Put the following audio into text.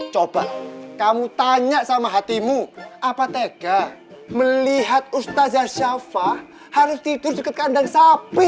coba kamu tanya sama hatimu apa tega melihat ustazah syafah harus tidur dekat kandang sapi